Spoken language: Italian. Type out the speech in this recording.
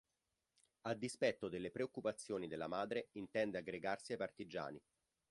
A dispetto delle preoccupazioni della madre, intende aggregarsi ai partigiani.